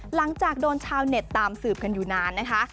หลังจากโดนชาวเน็ตตามสืบกันอยู่นานนะคะ